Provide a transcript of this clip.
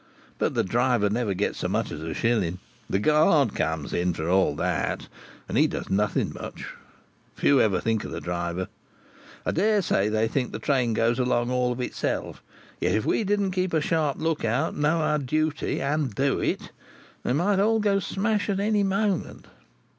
But the driver never gets so much as a shilling; the guard comes in for all that, and he does nothing much. Few ever think of the driver. I dare say they think the train goes along of itself; yet if we didn't keep a sharp look out, know our duty, and do it, they might all go smash at any moment.